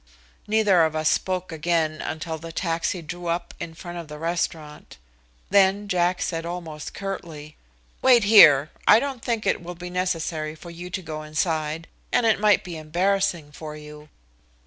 Neither of us spoke again until the taxi drew up in front of the restaurant. Then Jack said almost curtly: "Wait here. I don't think it will be necessary for you to go inside, and it might be embarrassing for you."